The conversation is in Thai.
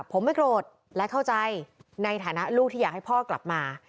ผมไม่โกรธและเข้าใจในฐานะลูกที่อยากให้พ่อกลับมา